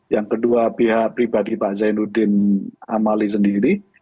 yang kedua pihak pribadi pak zainuddin amali sendiri